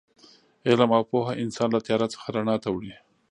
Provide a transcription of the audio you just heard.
علم او پوهه انسان له تیاره څخه رڼا ته وړي.